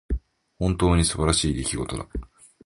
本当に素晴らしい出来事だ。